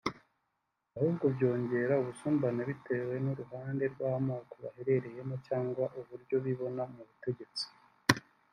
ahubwo byongera ubusumbane bitewe n’uruhande rw’amoko baherereyemo cyangwa uburyo bibona mubutegetsi